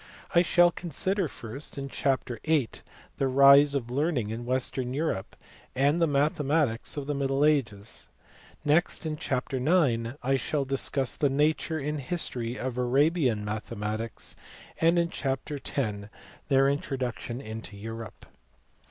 I shall consider first, in chapter vin., the rise of learning in western Europe, and the mathematics of the middle ages. Next, in chapter ix., I shall discuss the nature and history of Arabian mathematics, and in chapter x. their introduction into Europe.